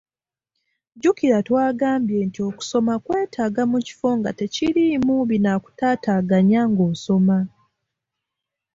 Jjukira twagambye nti okusoma kwetaaga mu kifo nga tekiriimu binaakutaataganya ng'osoma.